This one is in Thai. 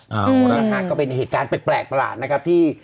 เอาละฮะก็เป็นเหตุการณ์แปลกประหลาดนะครับที่